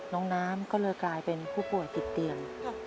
น้องน้ำก็เลยกลายเป็นผู้ป่วยติดเตียง